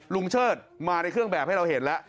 เชิดมาในเครื่องแบบให้เราเห็นแล้ว